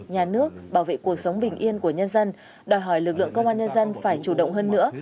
nhà nước bảo vệ cuộc sống bình yên của nhân dân đòi hỏi lực lượng công an nhân dân phải chủ động hơn nữa